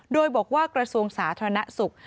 โดยบอกว่ากระทรวงสาธารณสุข